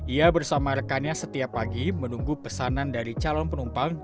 ia bersama rekannya setiap pagi menunggu pesanan dari calon penumpang